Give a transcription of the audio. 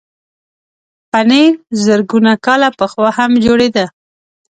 پنېر زرګونه کاله پخوا هم جوړېده.